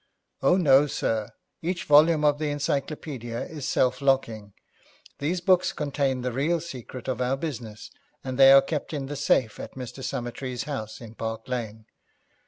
'Oh, no, sir. Each volume of the encyclopaedia is self locking. These books contain the real secret of our business, and they are kept in the safe at Mr. Summertrees' house in Park Lane.